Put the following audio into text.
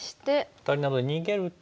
アタリなので逃げると。